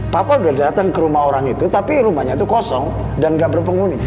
papa udah datang ke rumah orang itu tapi rumahnya itu kosong dan nggak berpenghuni